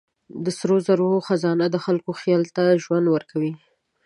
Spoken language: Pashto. د سرو زرو خزانه د خلکو خیال ته ژوند ورکوي.